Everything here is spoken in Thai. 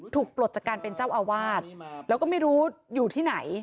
ปลดจากการเป็นเจ้าอาวาสแล้วก็ไม่รู้อยู่ที่ไหน